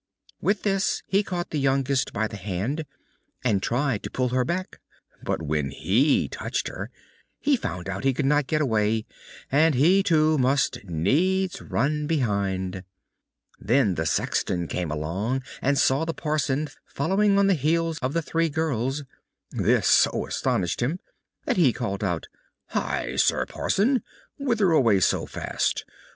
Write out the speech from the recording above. With this he caught the youngest by the hand, and tried to pull her back, but when he touched her he found he could not get away, and he too must needs run behind. Then the sexton came along, and saw the parson following on the heels of the three girls. This so astonished him that he called out, "Hi! Sir Parson, whither away so fast?